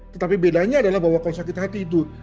tetapi bedanya adalah bahwa kalau sakit hati itu